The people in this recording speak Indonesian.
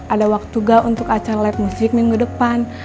ada waktu gak untuk acara live music minggu depan